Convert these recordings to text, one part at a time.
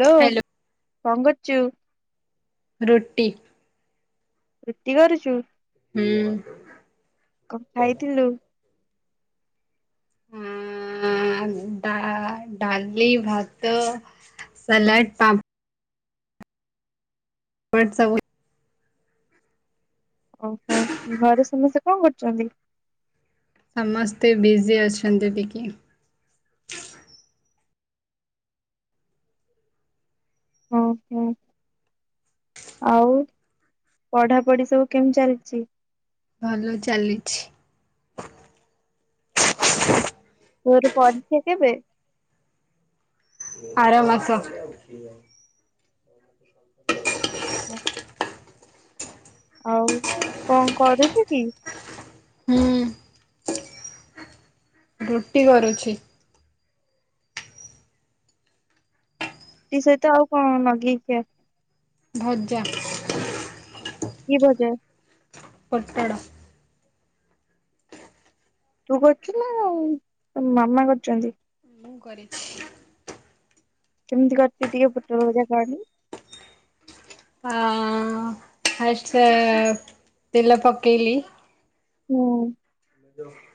Hello କନ୍ କରୁଚୁ? ରୁଟି। ରୁଟି କରୁଛୁ। ହୁଁ। କଣ ଖାଇଥିଲୁ? ଉଁ ଆ ଡା-ଡାଲି ଭାତ। ସଲାଡ ପାପ ପଡ ସବୁ ଓହୋ ଘରେ ସମସ୍ତେ କଣ କରୁଛନ୍ତି? ସମସ୍ତେ ବିଜି ଅଛନ୍ତି ଟିକେ। ହଁ ହ। ଆଉ ପଢାପଢି ସବୁ କେମିତି ଚାଲିଛି? ଭଲ ଚାଲିଛି। ତୋର ପରୀକ୍ଷା କେବେ? ଆର ମାସ। [unintelligible] ହଁ ଆଉ କଣ କରୁଚୁ କି? ହୁଁ ରୁଟି କରୁଛି। ଟି ସହିତ ଆଉ କଣ ଲଗେଇକି ଭଜା। କି ଭଜା? ପଟଡ଼। ତୁ କରୁଛୁ ନା ମାମା କରିଛନ୍ତି। ମୁଁ କରିଛି। କେମିତି କରିଛୁ ଟିକେ ପୋଟଳ ଭଜା କହଣି? ଆ ଫାଷ୍ଟ ତେଲ ପକେଇଲି। ହୁଁ [unintelligible]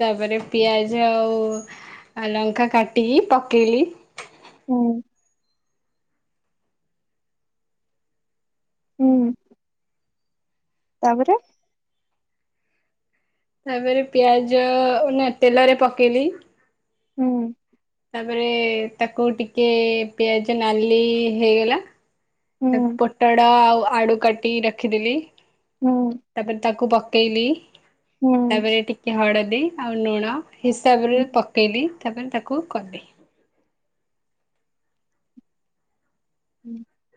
ତାପରେ ପିଆଜ ଆଉ ଲଙ୍କା କାଟିକି ପକେଇଲି। ହୁଁ ହୁଁ ତାପରେ ତାପରେ ପିଆଜ ନା ତେଲରେ ପକେଇଲି। ହୁଁ ତାପରେ ତାକୁ ଟିକେ ପିଆଜ ନାଲି ହେଇଗଲା। ହୁଁ ତା ପୋଟଡ ଆଉ ଆଳୁ କାଟି ରଖିଦେଲି। ହୁଁ ତାପରେ ତାକୁ ପକେଇଲି ହୁଁ ତାପରେ ଟିକେ କି ହଳଦୀ ଆଉ ଲୁଣ ହିସାବରେ ହୁଁ। ପକେଇଲି ତାପରେ ତାକୁ କଲି।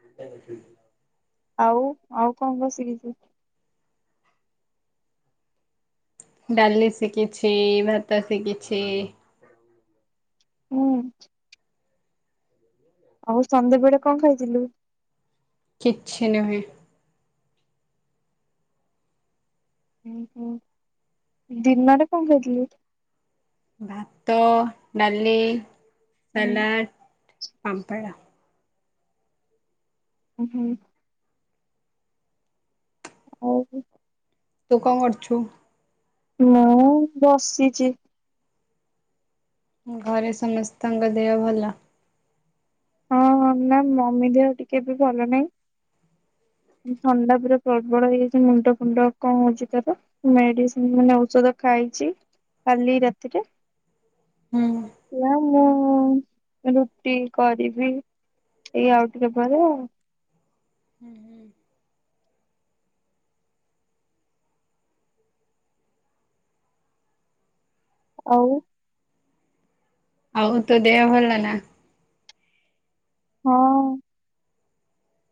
[unintelligible] ଆଉ ଆଉ କଣ କଣ ସିକିଛି? ଡାଲି ଶିଖିଛି ଭାତ ଶିଖିଛି। ହୁଁ ଆଉ ସନ୍ଧ୍ୟାବେଳେ କଣ ଖାଇଥିଲୁ? କିଛି ନୁହେଁ। ଉଁ ହୁଁ ଦିନରେ କଣ ଖାଇଥିଲୁ? ଭାତ ଡାଲି ସାଲାଡ଼ ପାମ୍ପଡ଼। ହୁଁ ହଉ ତୁ କଣ କରୁଛୁ? ମୁଁ ବସିଛି। ଘରେ ସମସ୍ତଙ୍କ ଦେହ ଭଲ। ହଁ ନା ମମି ଦେହ ଟିକେ ବି ଭଲ ନାହିଁ। ଥଣ୍ଡା ପୁରା ପ୍ରବଳ ହେଇଯାଇଛି ମୁଣ୍ଡ ଫୁଣ୍ଡ କଣ ହଉଛି ତର? ମେଡିସିନ ମାନେ ଔଷଧ ଖାଇଛି କାଲି ରାତିରେ। ହୁଁ ଏହା ମୁଁ ରୁଟି କରିବି ଏଇ ଆଉ ଟିକେ ପରେ ଆଉ ହୁଁ ହୁଁ ଆଉ ଆଉ ତ ଦେହ ଭଲ ନା। ହଁ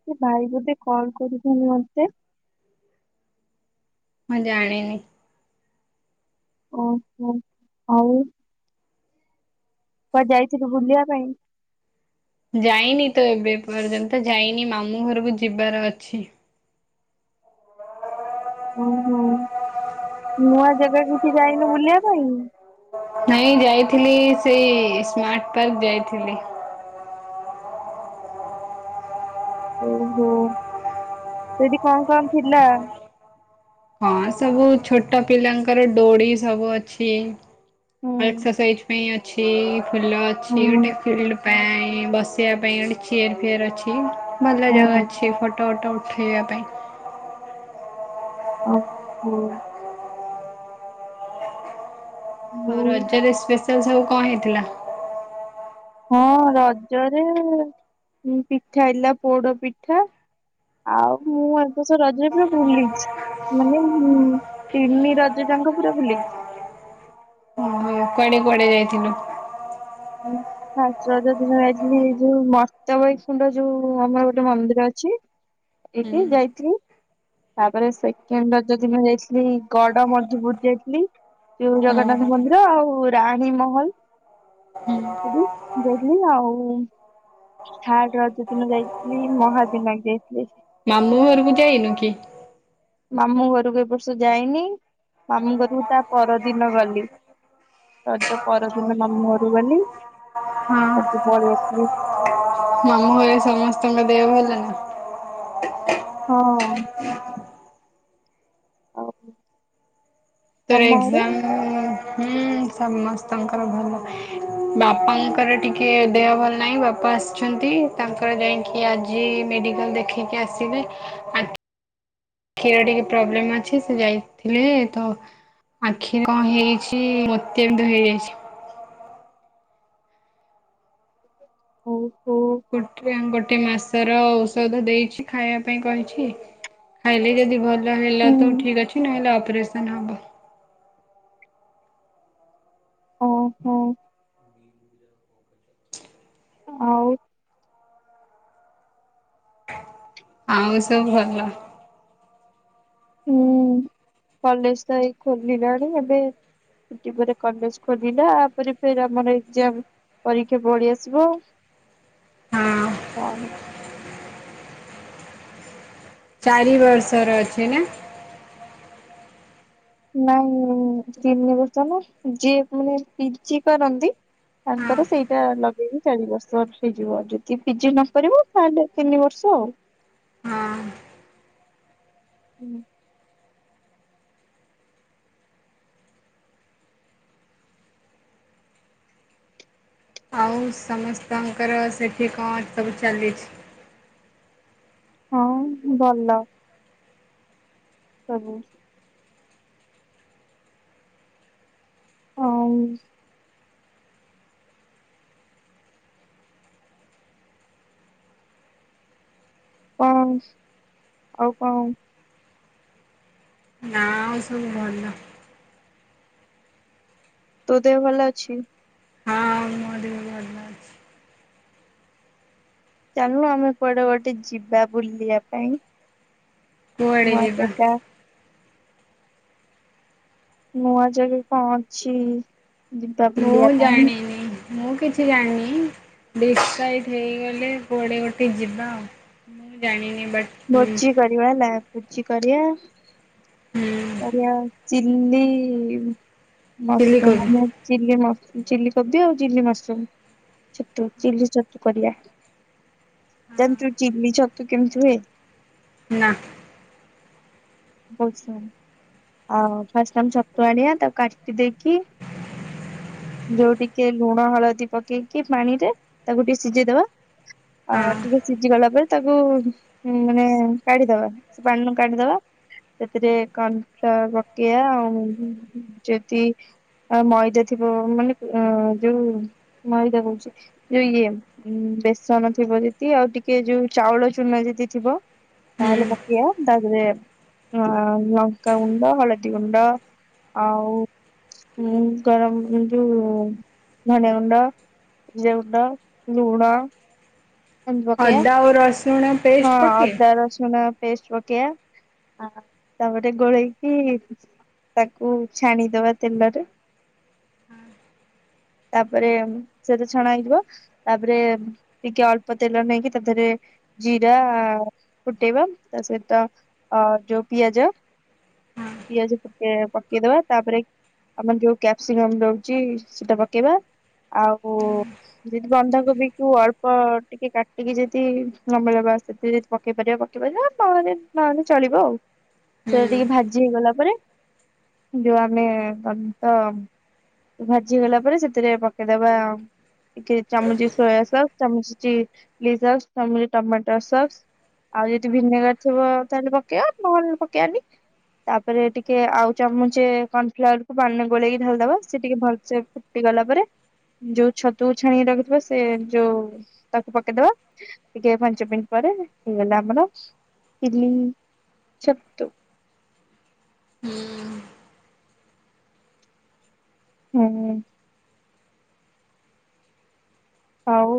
ସେ ଭାଇ ଗୋଟେ କଲ କରିଛନ୍ତି ମତେ। ମୁଁ ଜାଣିନି। ଓହୋ ଆଉ କୁଆଡେ ଯାଇଥିଲୁ ବୁଲିବା ପାଇଁ ଯାଇନି ତ ଏବେ ପର୍ଯ୍ୟନ୍ତ ଯାଇନି, ମାମୁଁ ଘରକୁ ଯିବାର ଅଛି। ଓହୋ। ନୂଆ ଜାଗା କିଛି ଯାଇନୁ ବୁଲିବା ପାଇଁ ନାଇଁ ଯାଇଥିଲି ସେଇ ସ୍ମାର୍ଟ ପାର୍କ ଯାଇଥିଲି। ଓହୋ, ସେଠି କଣ କଣ ଥିଲା? ହଁ ସବୁ ଛୋଟ ପିଲାଙ୍କର ଡୋଡି ସବୁ ଅଛି। ହୁଁ ଏକସସାଇଜ ପାଇଁ ଅଛି, ଫୁଲ ଅଛି ହୁଁ ଗୋଟେ ଫଡ ପାଇଁ ବସିବା ପାଇଁ ଗୋଟେ ଚିୟର ଫିୟର ଅଛି, ଭଲ ଜାଗା ହୁଁ ଅଛି ଫଟୋ ଫଟୋ ଉଠ ଖେଳିବା ପାଇଁ ଓ ହ ଆଉ ଏଇ ରଜରେ ସ୍ପେଶାଲ ସବୁ କଣ ହେଇଥିଲା। ହଁ ରଜରେ ପିଠା ହେଇଥିଲା, ପୋଡ ପିଠା ଆଉ ମୁଁ ଏବଷ ରଜ ବି ଭୁଲିଛି ମାନେ ମୁଁ ତିନି ରଜ ଯାଙ୍କ ପୁରା ବୁଲେଇଛି ଓହୋ କୁଆଡେ କୁଆଡେ ଯାଇଥିଲୁ? ହୁଁ ହ ରଜ ଦିନ ଯାଇଥିଲି ଯୋଉ ମତବୈଖୁଣ୍ଡ ଯୋଉ ଆମର ଗୋଟେ ମନ୍ଦିର ଅଛି ହୁଁ ଏଠି ଯାଇଥିଲି ତାପରେ ସେକେଣ୍ଡ ରଜ ଦିନ ଯାଇଥିଲି ଗଡ଼ ମଧୁପୁର ଯାଇଥିଲି। ଯଉ ହୁଁ ଜଗନ୍ନାଥ ମନ୍ଦିର ଆଉ ରାଣୀ ମହଲ ହୁଁ ଯାଇଥିଲି ଆଉ ଥାଡ ରଜ ଦିନ ଯାଇଥିଲି ମହାବିନାୟକ ଯାଇଥିଲି। ମାମଁ ଘରକୁ ଯାଇନୁ କି? ମାମୁଁ ଘରକୁ ଏ ବର୍ଷ ଯାଇନି। ମାମୁଁ ଘରକୁ ତା ପରଦିନ ଗଲି। ରଜ ପରଦିନ ମାମୁଁ ଘରକୁ ଗଲି, ହଁ। ତାପରେ ପଳିଆସିଥିଲି। ମାମୁଁ ଘରେ ସମସ୍ତଙ୍କ ଦେହ ହେଲ ନା? ହଁ। ଆଉ ଫୋର ତମ ଏଜାମ [unintelligible] ହଁ ସମସ୍ତଙ୍କର ଭଲ। ବାପାଙ୍କର ଟିକେ ଦେହ ଭଲ ନାହିଁ, ବାପା ଆସିଛନ୍ତି, ତାଙ୍କର ଯାଇକି ଆଜି ମେଡିକାଲରେ ରଖିକି ଆସିବେ ଆ କ୍ଷୀର ଟିକେ ପ୍ରୋବ୍ଲେମ ଅଛି, ସେ ଯାଇଥିଲେ ତ ଆଖି କଣ ହେଇଛି, ମୋତିଆବିନ୍ଦୁ ହେଇଯାଇଛି। [unintelligible] ହଉ ହୋ ଗୋଟେ ଗୋଟେ ମାସ ର ଔଷଧ ଦେଇଛି, ଖାଇବା ପାଇଁ କହିଛି? ଖାଇଲେ ଯଦି ଭଲ ହେଲା ହୁଁ ତ ଠିକ ଅଛି, ନହେଲେ ଅପରେସନ ହବ। ଓହୋ। ଆଉ ଆଉ ସବୁ ଭଲ। ହୁଁ କଲେଜ ତ ଏଇ ଖୋଲିଲାଣି ଏବେ ଟିକେ ପରେ କଲେଜ ଖୋଲିଲା ୟା ପରେ ଫେର୍ ଆମର ଏକଜାମ। ପରୀକ୍ଷା ପଳେଇ ଆସିବ ହଁ। [unintelligible] ଚାରି ବର୍ଷର ଅଛି ନା? ନାଇଁ ତିନି ବର୍ଷ ନା ଯିଏ ମାନେ ପିଜି କରନ୍ତି ହଁ ତାଙ୍କର ସେଇଟା ଲଗେଇକି ଚାରି ବର୍ଷ ହେଇଯିବ ଆଉ ଯଦି ପିଜି ନ କରିବ ତାହେଲେ ତିନି ବର୍ଷ ଆଉ। ହଁ। ହୁଁ। ଆଉ ସମସ୍ତଙ୍କର ସେଠି କଣ ସବୁ ଚାଲିଛି? ହଁ ଭଲ। ସବୁ ଆଉ କଣ ଆଉ କଣ? ନା ଆଉ ସବୁ ଭଲ। ତୋ ଦେହ ଭଲ ଅଛି? ମୋ ଦେହ ଭଲ ଅଛି। ଚାଲୁନୁ ଆମେ କୁଆଡେ ଗୋଟେ ଯିବା ବୁଲିବା ପାଇଁ। କୁଆଡ଼େ ନୂଆ ଯିବା? ଜାଗା ନୂଆ ଜାଗା କଣ ଅଛି? ଯିବା ମୁଁ ବୁଲିବା ପାଇଁ ଜାଣିନି। ମୁଁ କିଛି ଜାଣିନି ଡିଶାଇଡ ହେଇଗଲେ କୁଆଡେ ଗୋଟେ ଯିବା ଆଉ। ମୁଁ ଜାଣିନି ବଟ୍ ହୁଁ ଭୋଜି କରିବା ହେଲା ଭୋଜି କରିବା ହୁଁ କରିବା ଆଉ ଚିଲ୍ଲି ମସ୍ରୁମ ଚିଲିକୋବି ଆମେ ଚିଲ୍ଲି ମସୃ ଚିଲ୍ଲି କୋବି ଆଉ ଚିଲ୍ଲି ମସ୍ରୁମ୍। ଛତୁ ଚିଲି ଛତୁ କରିଆ। ଜାଣିଛୁ ଚିଲି ଛତୁ କେମିତି ହୁଏ? ନା। ହଉ ଶୁଣୁ, ଆଉ ଫାଷ୍ଟ ଆମେ ଛତୁ ଆଣିଆ ତାକୁ କାଟି ଦେଇକି ଯୋଉ ଟିକେ ଲୁଣ ହଳଦୀ ପକେଇକି ପାଣିରେ ତାକୁ ଟିକେ ସିଝେଇଦବା ଆ ହଁ ଟିକେ ସିଝିଗଲା ପରେ ତାକୁ ଉଁ ମାନେ କାଢିଦବା ସେ ପାଣିରୁ କାଢିଦବା ସେଥିରେ କନଫ୍ଲାୱାର ପକେଇବା ଆଉ ଯଦି ଅ ମଇଦା ଥିବ ମାନେ ଅ ଯୋଉ ମଇଦା କହୁଛି ଯୋଉ ଇଏ ବେସନ ଥିବ ଯଦି ଆଉ ଟିକେ ଯୋଉ ଚାଉଳ ଚୁନା ଯଦି ଥିବ ହୁଁ ତାହେଲେ ପକେଇଆ ତାଧେରେ ଆଉ ଲଙ୍କା ଗୁଣ୍ଡ, ହଳଦୀ ଗୁଣ୍ଡ ଆଉ ହୁଁ ଗରମ ଉଁ ଯୋଉ ଧଣିଆ ଗୁଣ୍ଡ ଜିରା ଗୁଣ୍ଡ, ଲୁଣ ଏମତି ପକେଇଆ ଅଦା ଆଉ ରସୁଣ ହଁ ପେଷ୍ଟ ପକେଇ ଅଦା ରସୁଣ ପେଷ୍ଟ ପକେଇଆ ଆ ତାପରେ ଗୋଳେଇକି ତାକୁ ଛାଣିଦବା ତେଲରେ ତାପରେ ସେଇଟା ଛଣା ହେଇଯିବ ତାପରେ ଟିକେ ଅଳ୍ପ ପ ତେଲ ନେଇକି ତାଧେରେ ଜିରା ଫୁଟେଇବା ତା ସହିତ ଅ ଯୋଉ ପିଆଜ ହଁ ପିଆଜ ଟିକେ ପକେଇଦବା ତାପରେ ଆମର ଯୋଉ କ୍ୟାପ୍ସିକମ୍ ରହୁଛି ସେଇଟା ପକେଇବା ଆଉ ଯଦି ବନ୍ଧାକୋବିକୁ ଅଳ୍ପ ଟିକେ କାଟିକି ଯଦି ଲମ୍ବା ଲମ୍ବା କାଟିକି ଯଦି ପକେଇ ପାରିବା ପକେଇ ପାରିବା, ନହେଲେ ଚଳିବ ଆଉ ସେଟା ହୁଁ ଟିକେ ଭାଜି ହେଇଗଲା ପରେ, ଯୋଉ ଆମେ କଣ ତ ଭାଜି ହେଇଗଲା ପରେ ସେଥିରେ ପକେଇଦବା ଟିକେ ଚାମୁଚିଏ ସୋୟା ସସ୍, ଚାମୁଚିଏ ଚିଲ୍ଲୀ ସସ୍, ଚାମୁଚିଏ ଟମାଟୋ ସସ୍ ଆଉ ଯଦି ଭିନେଗାର ଥିବ ତାହେଲେ ପକେଇବ, ନହେଲେ ପକେଇଆନି ତାପରେ ଟିକେ ଆଉ ଚାମୁଚେ କର୍ଣଫ୍ଲାୱାରକୁ ପାଣିରେ ଗୋଳେଇକି ଢାଲିଦବା, ସେ ଟିକେ ଭଲସେ ଟି ଗଲା ପରେ, ଯୋଉ ଛତୁକୁ ଛାଣିକି ରଖିଥିବ ସେ ଯୋଉ ତାକୁ ପକେଇଦବା, ଟିକେ ପାଞ୍ଚ ମିଣ୍ଟି ପରେ ହେଇଗଲା ଆମର ଚିଲ୍ଲୀ ଛତୁ। ହୁଁ-ଉଁ। ହୁଁ। ହଉ।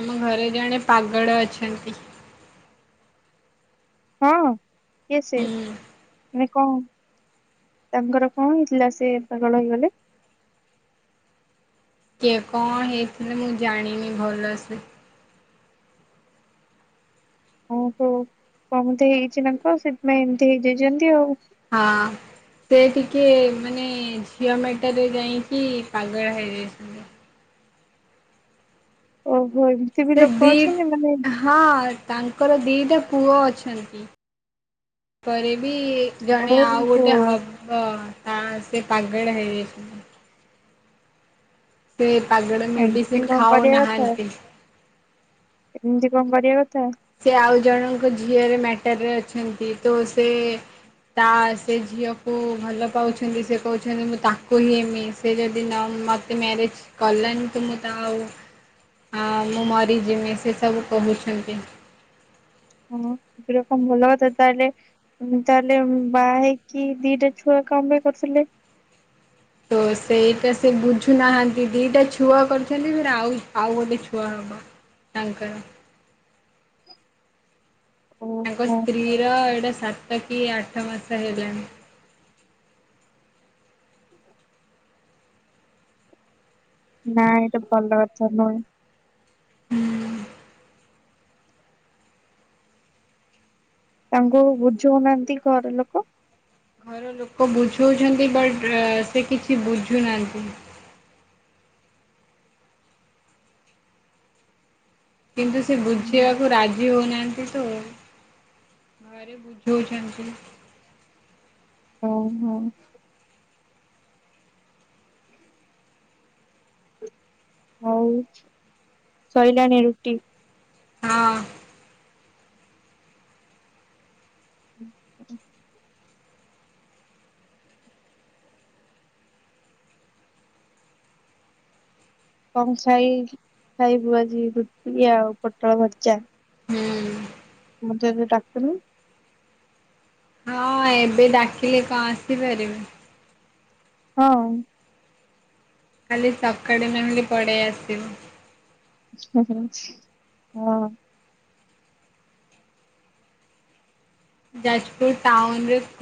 ଆମ ଘରେ ଜଣେ ପାଗଳ ଅଛନ୍ତି। ହଁ, କିଏ ସେ? ହୁଁ ମାନେ କଅ? ତାଙ୍କର କଅ ହେଇଥିଲା? ସେ ପାଗଳ ହେଇଗଲେ? ସିଏ କଣ ହେଇଥିଲା, ମୁଁ ଜାଣିନି ଭଲସେ। ଓହୋ, କଅ ବୋଧେ ହେଇଛି ତାଙ୍କୁ ଆଉ, ସେଥିପାଇଁ ଏମିତି ହେଇଯାଇଚନ୍ତି ଆଉ। ହଁ-ଅଁ। ସେ ଟିକେ ମାନେ ଝିଅ ମ୍ୟାଟରେ ଯାଇକି, ପାଗଳା ହେଇଯାଇଛନ୍ତି। ଓ ହୋ ଏମ ସେ ଦି ଆଃ ହଁ ତାଙ୍କର ଦିଟା ପୁଅ ଅଛନ୍ତି, ପରେ ବି ଜଣେ ଆଉ ଓହୋ ଗୋଟେ ହବ, ତା ସେ ପାଗଳା ହେଇ ଯାଇଛନ୍ତି। ସେ ପାଗଳ ଏମିତି ମେଡ଼ିସିନ କଣ ଖାଉ କରିବା କଥା ନାହାନ୍ତି। ଏମିତି କଅ କରିଆ କଥା? ସେ ଆଉ ଜଣଙ୍କ ଝିଅରେ ମ୍ୟାଟର ରେ ଅଛନ୍ତି, ତ ସେ ତା ସେ ଝିଅକୁ ଭଲ ପାଉଛନ୍ତି, ସେ କୋହୁଛନ୍ତି ମୁଁ ତାଙ୍କୁ ହିଁ ହେମି, ସେ ଯଦି ନ ମ୍ୟାରେଜ୍ କଲାନି ତ ମତେ ଆଉ ଆ ମୁଁ ମରିଯିମି, ସେ ସବୁ କୋହୁଚନ୍ତି। ହଁ ସେଗୁରା କଅ ଭଲ କଥା? ତାହେଲେ ତାହେଲେ ବାହା ହେଇକି ଦିଇଟା ଛୁଆ କଅ ପାଇଁ କରୁଥିଲେ? ତ ସେଇଟା ସେ ବୁଝୁନାହାନ୍ତି, ଦିଇଟା ଛୁଆ କରିଛନ୍ତି ଫେରେ ଆଉ ଆଉ ଗୋଟେ ଛୁଆ ହବ। ତାଙ୍କର। ତାଙ୍କ ଓହୋ। ସ୍ତ୍ରୀର ଏଟା ସାତ କି ଆଠ ମାସ ହେଲାଣି। ନାଁ ଏଇଟା ଭଲ କଥା ନୁହେଁ। ହୁଁ-ଉଁ। ତାଙ୍କୁ ବୁଝୋଉନାଆନ୍ତି ଘର ଲୋକ? ଘର ଲୋକ ବୁଝୋଉଛନ୍ତି, ବଟ୍ ସେ କିଛି ବୁଝୁନାଆନ୍ତି। କିନ୍ତୁ ସେ ବୁଝିଆକୁ ରାଜି ହୋଉନାଆନ୍ତି ତ ଆଉ। ଘରେ ବୁଝୋଉଛନ୍ତି। ଓହୋଃ। ଆଉ ସଇଲାଣି ରୁଟି? ହଁ। [inaudible] କଣ ଖାଇକି ଖାଇବୁ ଆଜି ରୁଟି ଆଉ ପୋଟଳ ଭଜା? ହୁଁ। ମତେ ଏବେ ଡାକୁନୁ। ହଁ ଏବେ ଡାକିଲେ କଣ ଆସିପାରିବୁ। ହଁ। କାଲି ସକାଳେ ନହଲି ପଳେଇ ଆସିବୁ। ହଁ। ଯାଜପୁର ଟାଉନ୍ ରେ